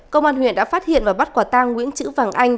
công an huyện đã phát hiện và bắt quả tang nguyễn chữ vàng anh